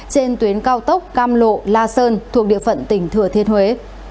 trên tuyến cao tốc cam lộ la sơn thuộc địa phận tỉnh thừa thiên huế